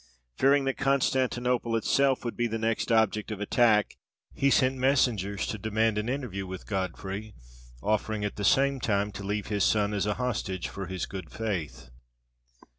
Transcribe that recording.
Fearing that Constantinople itself would be the next object of attack, he sent messengers to demand an interview with Godfrey, offering at the same time to leave his son as a hostage for his good faith.